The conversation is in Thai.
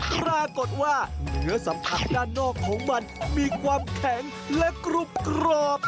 หรือว่าเนื้อสัมผัสด้านนอกของมันมีความแข็งและกรุบกรอบ